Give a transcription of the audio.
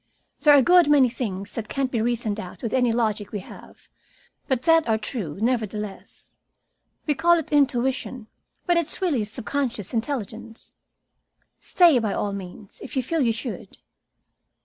"There are a good many things that can't be reasoned out with any logic we have, but that are true, nevertheless. We call it intuition, but it's really subconscious intelligence. Stay, by all means, if you feel you should."